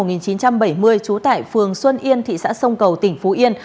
trú tại phường xuân yên thị xã sông cầu tỉnh phú yên